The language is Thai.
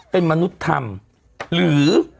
เป็นมนุษย์ธรรมหรือ